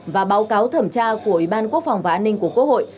và báo cáo thẩm tra của ủy ban quốc phòng và an ninh của quốc hội